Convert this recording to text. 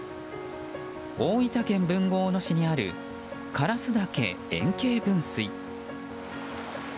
大分県豊後大野市にある烏嶽円形分水。